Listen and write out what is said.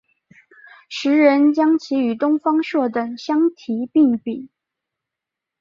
时人将其与东方朔等相提并比。